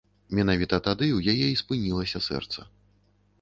Менавіта тады ў яе і спынілася сэрца.